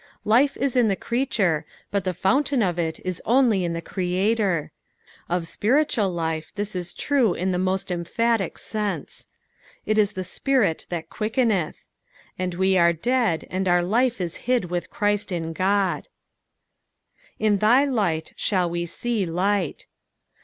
Life ie in the creature, but the fountain of it is only in the Creator. Of spiritual life, this is true in the most emphatic sense ;" it is the Spirit that quickeneth," " and we are dead, and DDT life is hid with Christ in God, " "In Ay light ^aU vie te» light."